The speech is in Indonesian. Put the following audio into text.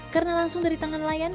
karena langsung dari tangan nelayan